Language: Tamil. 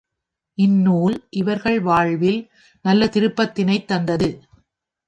அந்நூல் இவர்கள் வாழ்வில் நல்ல திருப்பத்தினைத் தந்தது.